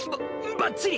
ばっちり！